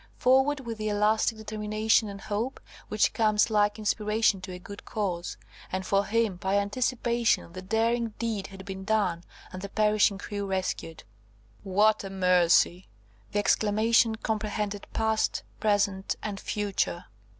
Forward, with the elastic determination and hope, which comes like inspiration to a good cause; and for him, by anticipation, the daring deed had been done, and the perishing crew rescued. "–What a mercy!"–the exclamation comprehended past, present, and future.